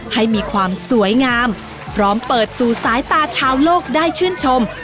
ให้มีความสวยงามพร้อมเปิดสู่สายตาชาวโลกได้ชื่นชม